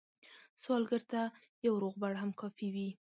سوالګر ته یو روغبړ هم کافي وي